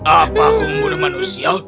apa aku membunuh manusia